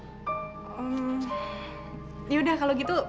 hmm yaudah kalau gitu